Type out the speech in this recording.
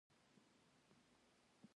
آیا موږ هیله مند یو؟